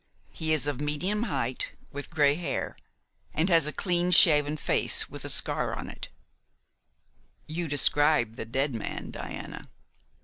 He is of medium height, with grey hair, and has a clean shaven face, with a scar on it " "You describe the dead man, Diana."